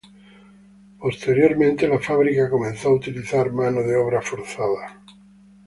Posteriormente, la fábrica comenzó a utilizar mano de obra forzada.